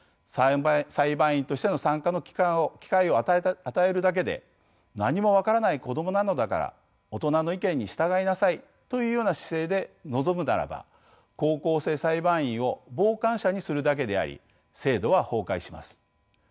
裁判員としての参加の機会を与えるだけで「何も分からない子供なのだから大人の意見に従いなさい」というような姿勢で臨むならば高校生裁判員を傍観者にするだけであり制度は崩壊します。